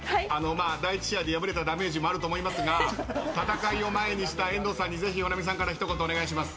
第１試合で敗れたダメージもあると思いますが戦いを前にした遠藤さんにぜひ保奈美さんから一言お願いします。